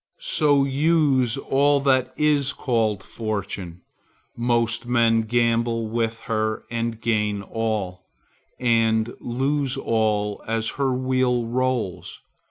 So use all that is called Fortune. Most men gamble with her, and gain all, and lose all, as her wheel rolls.